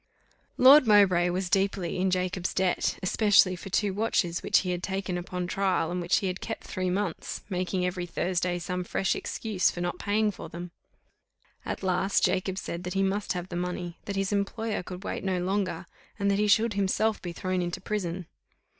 Lord Mowbray was deeply in Jacob's debt, especially for two watches which he had taken upon trial, and which he had kept three months, making, every Thursday, some fresh excuse for not paying for them; at last Jacob said that he must have the money, that his employer could wait no longer, and that he should himself be thrown into prison.